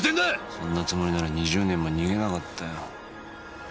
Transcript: そんなつもりなら２０年も逃げなかったよ。